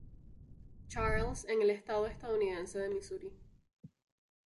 Charles en el estado estadounidense de Misuri.